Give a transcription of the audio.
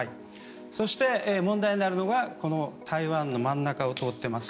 そして、問題になるのが台湾の真ん中を通っています